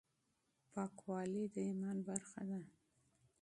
پاکواله د ایمان برخه ده.